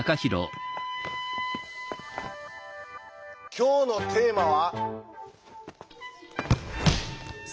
今日のテーマは。